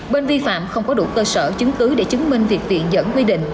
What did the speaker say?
bên vi phạm không có đủ cơ sở chứng cứ để chứng minh việc tiện dẫn quy định